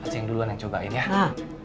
yang duluan yang cobain ya